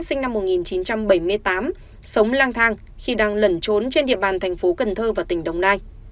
sinh năm một nghìn chín trăm bảy mươi tám sống lang thang khi đang lẩn trốn trên địa bàn thành phố cần thơ và tỉnh đồng nai